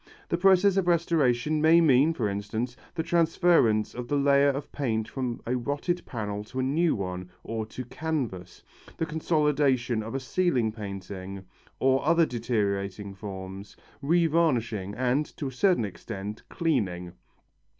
The process of restoration may mean, for instance, the transference of the layer of paint from a rotted panel to a new one or to canvas, the consolidation of a ceiling painting or other deteriorating forms, revarnishing and, to a certain extent, cleaning.